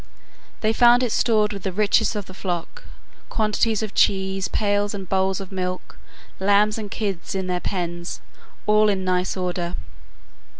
They found it stored with the richest of the flock, quantities of cheese, pails and bowls of milk, lambs and kids in their pens, all in nice order.